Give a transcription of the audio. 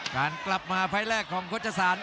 การกลับมาภายแรกของโฆษฎาสาร